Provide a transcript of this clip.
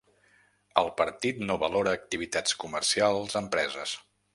El partit no valora activitats comercials empreses.